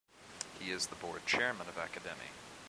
He is the board chairman of Academi.